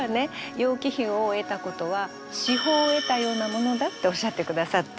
楊貴妃を得たことは至宝を得たようなものだっておっしゃってくださって。